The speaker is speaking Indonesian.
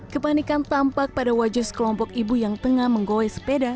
kepanikan tampak pada wajah sekelompok ibu yang tengah menggoy sepeda